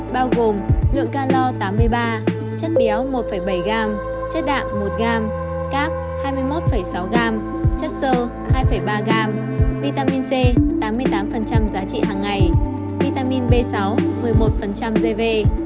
bao gồm lượng calor tám mươi ba chất béo một bảy g chất đạm một g cáp hai mươi một sáu g chất sơ hai ba g vitamin c tám mươi tám giá trị hằng ngày vitamin b sáu một mươi một dv